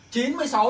chú tặng cháu